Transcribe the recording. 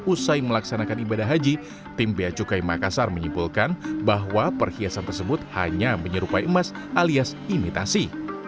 usai melaksanakan ibadah haji tim beacukai makassar menyimpulkan bahwa perhiasan tersebut hanya menyerupai emas alias imitasi